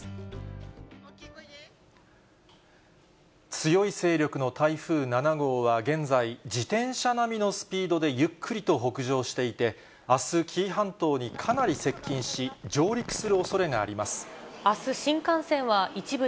強い勢力の台風７号は現在、自転車並みのスピードでゆっくりと北上していて、あす、紀伊半島にかなり接近し、上陸するおそれがあります。